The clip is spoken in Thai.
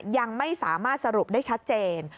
ยังไม่สามารถสรุปได้ชัดเจน